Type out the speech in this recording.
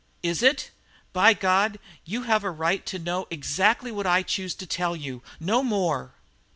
"Is it? By God, you have a right to know exactly what I choose to tell you no more!"